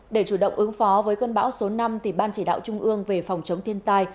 để chủ động ứng phó với cơn bão số năm ban chỉ đạo trung ương về phòng chống thiên tai